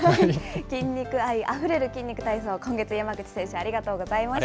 筋肉愛あふれる、筋肉体操、今月、山口選手、ありがとうございました。